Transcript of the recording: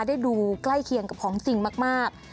ได้ดูใกล้เคียงกับของจริงมาก